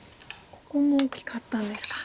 ここも大きかったですか。